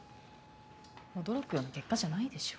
驚くような結果じゃないでしょ。